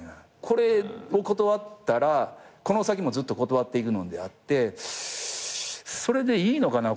これを断ったらこの先もずっと断っていくのであってそれでいいのかな